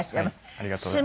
ありがとうございます。